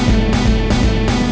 udah bocan mbak